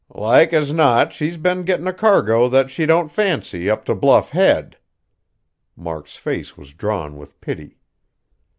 "Like as not she's been gettin' a cargo that she don't fancy, up to Bluff Head." Mark's face was drawn with pity.